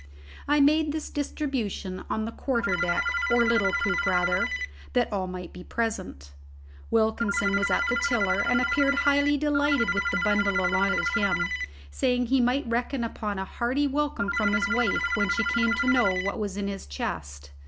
I made this distribution on the quarter deck, or little poop, rather, that all might be present: Wilkinson was at the tiller, and appeared highly delighted with the bundle allotted him, saying that he might reckon upon a hearty welcome from his wife when she came to know what was in his chest.